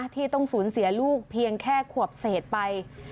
ที่ต้องสูญเสียลูกเพียงแค่ขวบเศษไป